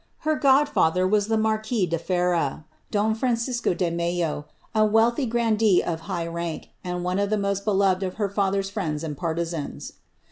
Her godfather was the marquis de Ferreira, don Francisco de Mello, a wealthy grandee of high rank, and one of the most devoted of her fathcr^s friends and partisans.'